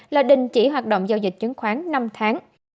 là đình chỉ hoạt động giao dịch chứng khoán năm tháng